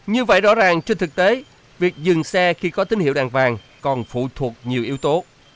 như vậy rõ ràng trên thực tế việc dừng xe khi có tín hiệu đèn vàng còn phụ thuộc nhiều yếu tố